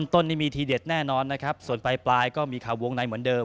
ต้นนี้มีทีเด็ดแน่นอนนะครับส่วนปลายก็มีข่าววงในเหมือนเดิม